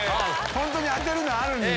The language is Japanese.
本当に当てるのあるんだ。